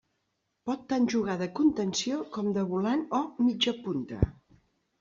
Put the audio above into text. Pot tant jugar de contenció, com de volant o mitjapunta.